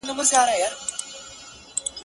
نه منزل چاته معلوم دی نه منزل ته څوک رسیږي -